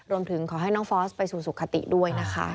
รวมถึงขอให้น้องฟอสไปสู่สุขติด้วยนะคะ